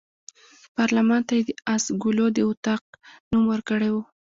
پارلمان ته یې د آس ګلو د اطاق نوم ورکړی وو.